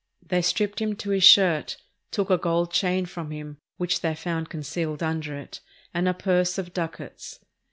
They stripped him to his shirt, took a gold chain from him, which they found concealed under it, and a purse of ducats.